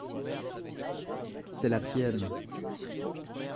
C’est la tienne.